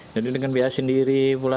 jadi dengan biaya sendiri pula